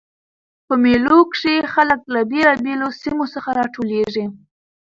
په مېلو کښي خلک له بېلابېلو سیمو څخه راټولیږي.